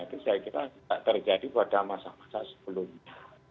itu saya kira tidak terjadi pada masa masa sebelumnya